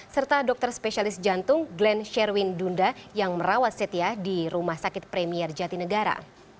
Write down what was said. serta dokter spesialis jantung glenn sherwin dunda yang merawat setia di rumah sakit premier jatinegara